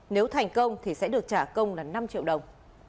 nếu thành công thì sẽ được trả công là năm triệu đồng